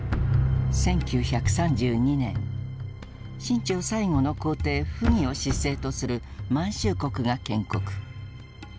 １９３２年清朝最後の皇帝溥儀を執政とする満州国が建国。